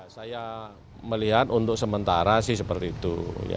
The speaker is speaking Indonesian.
saya melihat untuk sementara sih seperti itu